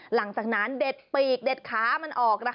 หลังจากนั้นเด็ดปีกเด็ดขามันออก